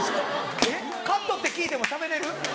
カットって聞いてもしゃべれる？